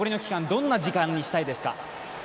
どんな時間にしたいですか？